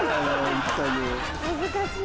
難しい。